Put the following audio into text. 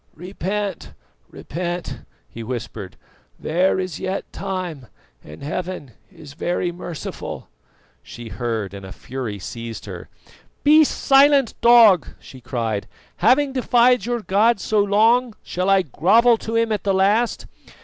"Repent, repent!" he whispered, "there is yet time and Heaven is very merciful." She heard, and a fury seized her. "Be silent, dog!" she cried. "Having defied your God so long, shall I grovel to Him at the last?